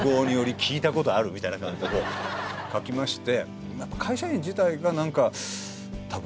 聞いた事あるみたいな感じでこう書きまして。